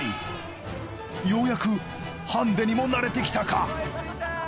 ようやくハンデにも慣れてきたか？